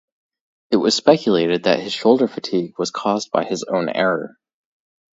It was speculated that his shoulder fatigue was caused by his own error.